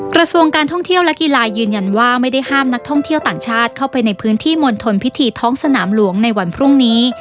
กระทรวงการท่องเที่ยวและกีฬายืนยันว่าไม่ได้ห้ามนักท่องเที่ยวต่างชาติเข้าไปในพื้นที่มณฑลพิธีท้องสนามหลวงในวันพรุ่งนี้